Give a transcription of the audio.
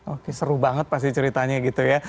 oke seru banget pasti ceritanya gitu ya